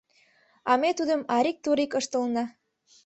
А ме тудым арик-турик ыштылына.